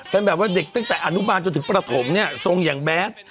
เป็นแบบว่าเด็กตั้งแต่อนุบาลจนถึงประถมเนี่ยทรงอย่างแบด